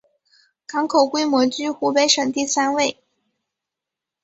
港口规模居湖北省第三位。